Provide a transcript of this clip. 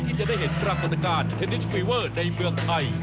ที่จะได้เห็นปรากฏการณ์เทนนิสฟีเวอร์ในเมืองไทย